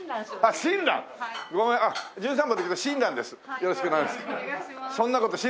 よろしくお願いします。